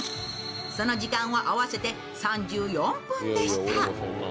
その時間は合わせて３４分でした。